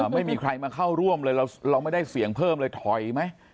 ไม่มีใครมาเข้าร่วมเลยเราไม่ได้เสี่ยงเพิ่มเลยถอยไหม